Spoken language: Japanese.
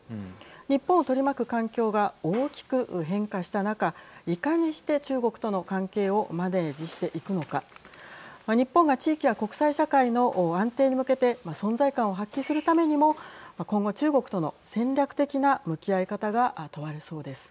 日本を取り巻く環境が大きく変化した中いかにして、中国との関係をマネージしていくのか日本が地域や国際社会の安定に向けて存在感を発揮するためにも今後、中国との戦略的な向き合い方が問われそうです。